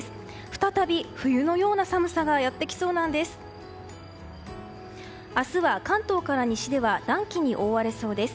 再び冬のような寒さがやってきそうなんです。